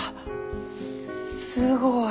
すごい。